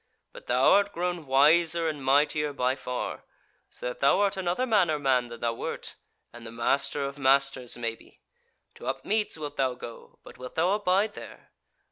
But thou art grown wiser and mightier by far; so that thou art another manner man than thou wert, and the Master of Masters maybe. To Upmeads wilt thou go; but wilt thou abide there?